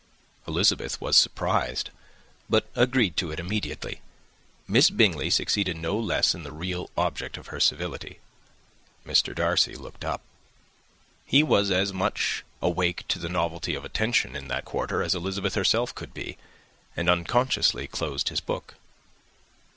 Elizabeth was surprised, but agreed to it immediately. Miss Bingley succeeded no less in the real object of her civility: Mr. Darcy looked up. He was as much awake to the novelty of attention in that quarter as Elizabeth herself could be, and unconsciously closed his book.